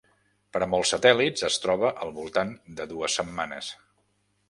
Per a molts satèl·lits es troba al voltant de dues setmanes.